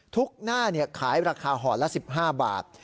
ทุกหน้าเนี่ยขายราคาหอดละ๑๕บาท